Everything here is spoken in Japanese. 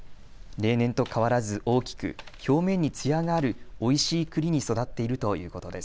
例年と変わらず大きく表面につやがあるおいしいくりに育っているということです。